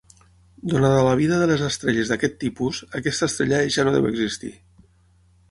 Donada la vida de les estrelles d'aquest tipus, aquesta estrella ja no deu existir.